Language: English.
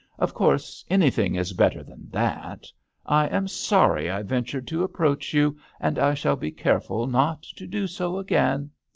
Of course anything is better than that I am sorry I ventured to approach you, and I shall be careful not to do so again.